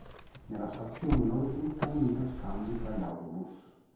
Nella stazione non risultano interscambi tra gli autobus.